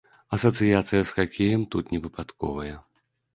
Асацыяцыя з хакеем тут невыпадковая.